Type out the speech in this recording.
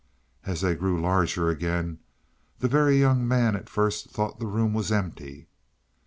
As they grew larger again the Very Young Man at first thought the room was empty.